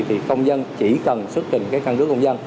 thì công dân chỉ cần xuất trình cái căn cứ công dân